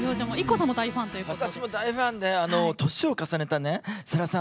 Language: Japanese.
私も大ファンで年を重ねた世良さん